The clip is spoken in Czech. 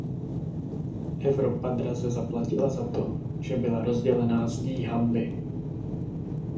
Evropa draze zaplatila za to, že byla rozdělená zdí hanby.